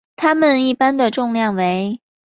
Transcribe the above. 它们一般的重量为。